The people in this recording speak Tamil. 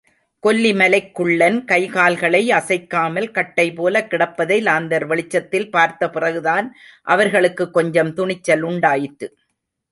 கொல்லிமலைக் குள்ளன் கைகால்களை அசைக்காமல் கட்டைபோலக் கிடப்பதை லாந்தர் வெளிச்சத்தில் பார்த்தபிறகுதான் அவர்களுக்குக் கொஞ்சம் துணிச்சல் உண்டாயிற்று.